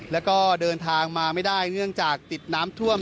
แล้วก็เดินทางมาไม่ได้เนื่องจากติดน้ำท่วม